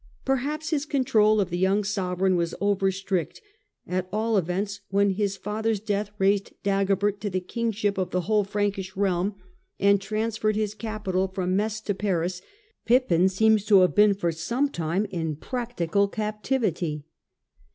Perhaps his control of the young sovereign was over strict ; at all events, when his father's death raised Dagobert to the kingship of the whole Frankish realm, and transferred his capital from Metz to Paris, Pippin seems to have been for some time in practical captivity.